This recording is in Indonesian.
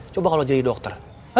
coba kalau jadi dokter